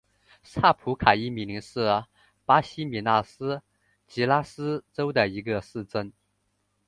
萨普卡伊米林是巴西米纳斯吉拉斯州的一个市镇。